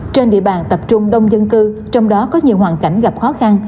trên địa bàn tập trung đông dân cư trong đó có nhiều hoàn cảnh gặp khó khăn